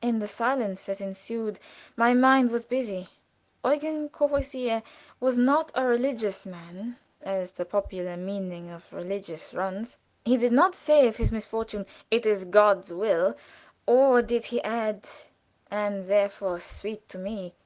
In the silence that ensued my mind was busy. Eugen Courvoisier was not a religious man, as the popular meaning of religious runs. He did not say of his misfortune, "It is God's will," nor did he add, "and therefore sweet to me."